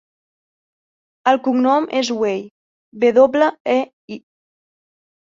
El cognom és Wei: ve doble, e, i.